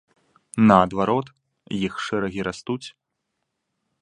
Наадварот, іх шэрагі растуць.